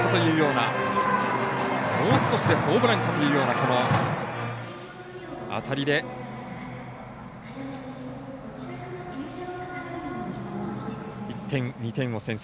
もう少しでホームランかというような当たりで１点、２点を先制。